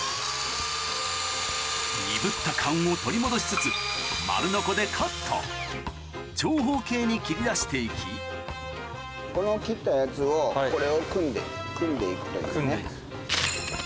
鈍った勘を取り戻しつつ丸ノコでカット長方形に切り出して行きこの切ったやつをこれを組んで行くというね。